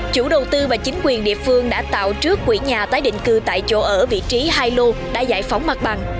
chủ đầu tư và chính quyền địa phương đã tạo trước quỹ nhà tái định cư tại chỗ ở vị trí hai lô đã giải phóng mặt bằng